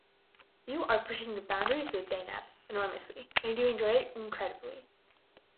You are pushing the boundaries with Zeynep enormously and you enjoy it incredibly.